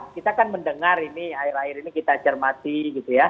kita kan mendengar ini air air ini kita acermati gitu ya